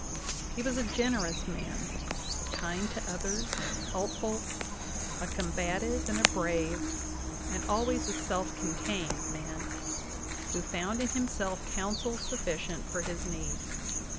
... He was a generous man, kind to others and helpful ; a combative and a brave, and always a self contained man, who found in himself counsel sufficient for his need.